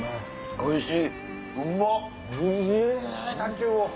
おいしい！